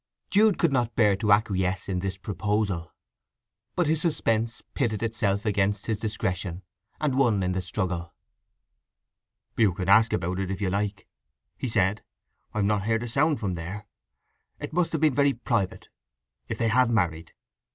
Jude could not bear to acquiesce in this proposal; but his suspense pitted itself against his discretion, and won in the struggle. "You can ask about it if you like," he said. "I've not heard a sound from there. It must have been very private, if—they have married."